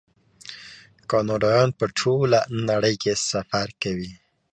کاناډایان په ټوله نړۍ کې سفر کوي.